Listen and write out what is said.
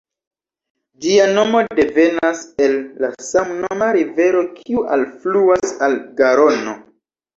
Ĝia nomo devenas el la samnoma rivero kiu alfluas al Garono.